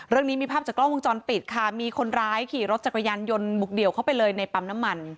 เรื่องนี้มีภาพจากกล้องวงจรปิดค่ะมีคนร้ายขี่รถจักรยานยนต์บุกเดี่ยวเข้าไปเลยในปั๊มน้ำมัน